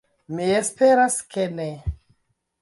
Mi esperas, ke ne!